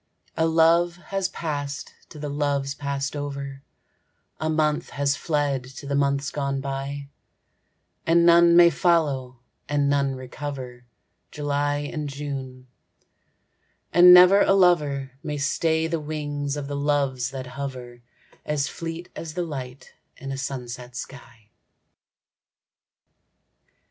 A love has passed to the loves passed over, A month has fled to the months gone by; And none may follow, and none recover July and June, and never a lover May stay the wings of the Loves that hover, As fleet as the light in a sunset sky.